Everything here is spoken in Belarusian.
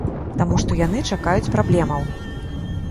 Таму што яны чакаюць праблемаў.